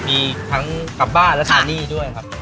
มีทั้งกลับบ้านและใช้หนี้ด้วยครับ